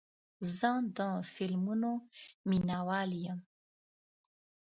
زه د فلمونو مینهوال یم.